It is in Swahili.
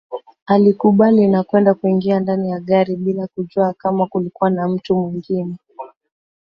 Alikubali na kwenda kuingia ndani ya gari bila kujua kama kulikuwa na mtu mwingine